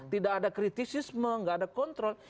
tidak ada kritisisme tidak ada kontrol